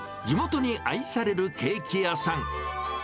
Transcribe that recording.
地元に愛されるケーキ屋さん。